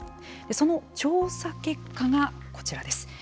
その調査結果がこちらです。